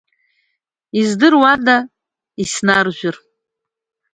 Издыруада иснаржәыр.